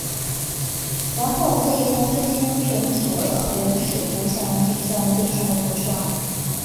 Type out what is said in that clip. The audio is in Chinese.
然后可以从这些存储的原始图像计算对象的图像。